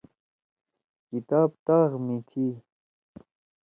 کتاب طاق می تھی۔